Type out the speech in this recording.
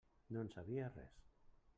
No en sabia res.